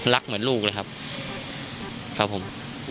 เหมือนลูกเลยครับครับผม